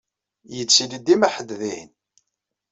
Yettili dima ḥedd dihin.